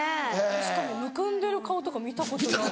確かにむくんでる顔とか見たことない。